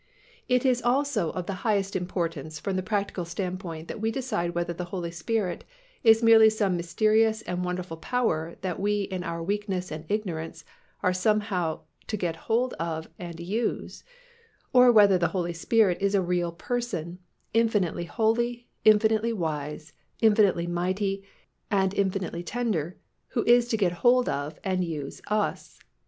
It is also of the highest importance from the practical standpoint that we decide whether the Holy Spirit is merely some mysterious and wonderful power that we in our weakness and ignorance are somehow to get hold of and use, or whether the Holy Spirit is a real Person, infinitely holy, infinitely wise, infinitely mighty and infinitely tender who is to get hold of and use us.